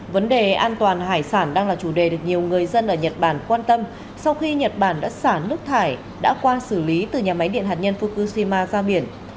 vấn đề an toàn hải sản đang là chủ đề được nhiều người dân ở nhật bản quan tâm sau khi nhật bản đã xả nước thải đã qua xử lý từ nhà máy điện hạt nhân fukushima ra biển